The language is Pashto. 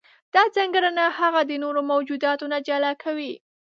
دا ځانګړنه هغه د نورو موجوداتو نه جلا کوي.